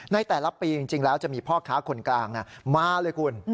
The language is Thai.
ในแต่ละปีจริงแล้วจะมีพ่อค้าคนกลางมาเลยคุณ